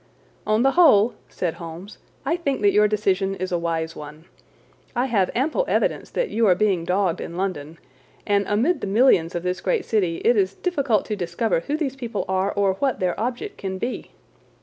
"On the whole," said Holmes, "I think that your decision is a wise one. I have ample evidence that you are being dogged in London, and amid the millions of this great city it is difficult to discover who these people are or what their object can be.